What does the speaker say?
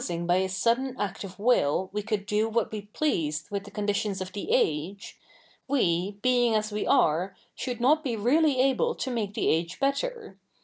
ig by a sudden act of will we could do what ive pleased with the co?iditions of the age, we, being as we a?'e, should ?iot be really able to 7nake the age better.